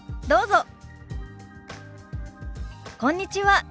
どうぞ。